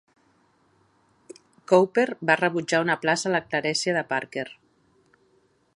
Cowper va rebutjar una plaça a la clerecia de Parker.